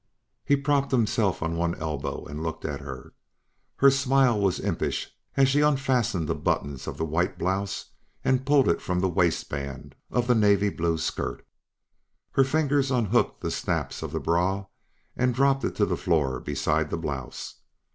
He propped himself on one elbow and looked at her. Her smile was impish as she unfastened the buttons of the white blouse and pulled it from the waistband of the navy blue skirt. Her fingers unhooked the snaps of the bra and dropped it to the floor beside the blouse.